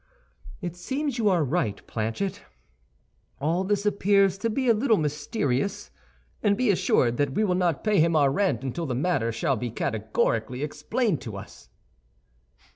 "It seems you are right, Planchet; all this appears to be a little mysterious; and be assured that we will not pay him our rent until the matter shall be categorically explained to us."